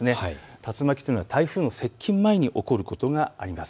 竜巻というのは台風の接近前に起こることがあります。